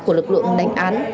của lực lượng đánh án